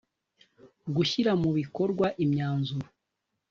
gushyira mu bikorwa imyanzuro